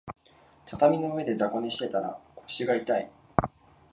畳の上で雑魚寝してたら腰が痛い